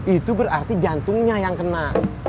itu berarti jantungnya yang kena